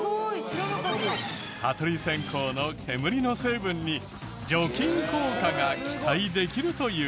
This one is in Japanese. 蚊取り線香の煙の成分に除菌効果が期待できるという。